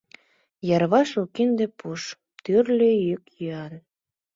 Йырваш у кинде пуш, тӱрлӧ йӱк-йӱан.